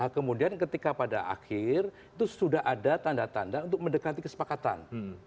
kemudian ketika pada akhir itu sudah ada tanda tanda untuk mendekati kesepakatan